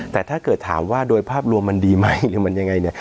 แต่ถ้าเกิดถามว่าโดยภาพรวมมันดีไหมหรือมันยังไงเนี่ย